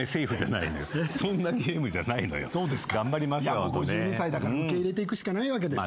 いやもう５２歳だから受け入れていくしかないわけです。